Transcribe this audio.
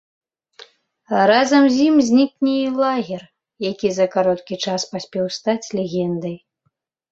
Разам з ім знікне і лагер, які за кароткі час паспеў стаць легендай.